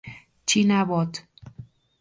China, Bot.